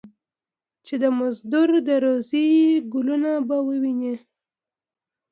چې د مزار د روضې ګلونه به ووینې.